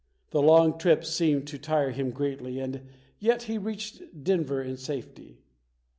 The long trip seemed to tire him greatly and yet he reached Denver in safety.